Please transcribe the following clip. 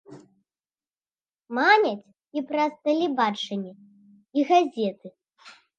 Маняць і праз тэлебачанне і газеты.